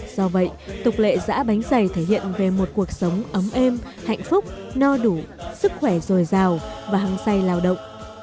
do vậy tục lệ giã bánh dày thể hiện về một cuộc sống ấm êm hạnh phúc no đủ sức khỏe dồi dào và hăng say lao động